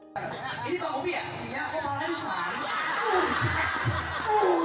buat gue jarang jempol jempol burung